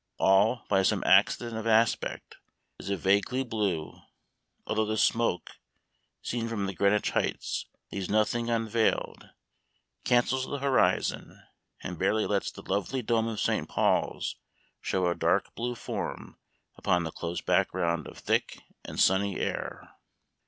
All, by some accident of aspect, is a vague blue, although the smoke, seen from the Greenwich heights, leaves nothing unveiled, cancels the horizon, and barely lets the lovely dome of St. Paul's show a dark blue form upon the close background of thick and sunny air.